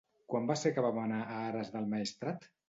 Quan va ser que vam anar a Ares del Maestrat?